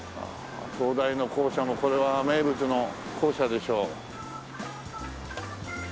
東大の校舎もこれは名物の校舎でしょ。